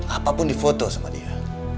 apapun difoto sama dia